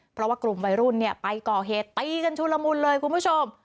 เพราะว่ากลุ่มวัยรุ่นไปก่อเหตุตีกันชุลมุนเลยคุณผู้ชม